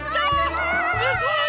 わすごい！